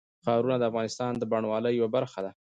ښارونه د افغانستان د بڼوالۍ یوه برخه ده.